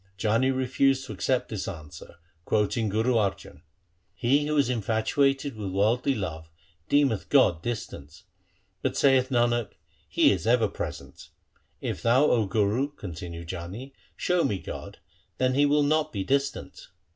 Jani refused to accept this answer, quoting Guru Arjan :— He who is infatuated with worldly love, deemeth God distant : But, saith Nanak, He is ever present. 1 ' If thou, O Guru ', continued Jani, ' show me God, then He will not be distant.'